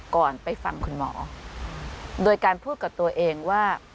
ก่อนไปฟังคุณหมอโดยการพูดกับตัวเองว่า